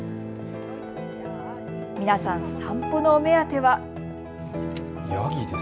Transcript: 皆さん、散歩のお目当ては。